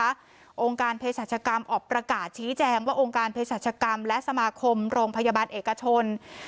องค์การเพศรัชกรรมออกประกาศชี้แจงว่าองค์การเพศรัชกรรมและสมาคมโรงพยาบาลเอกชน